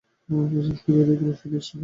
পিছন ফিরিয়া দেখিল সতীশ তাহাকে ডাকিতেছে।